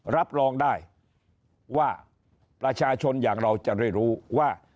รับรองได้ว่าประชาชนอย่างเราจะได้รู้ว่า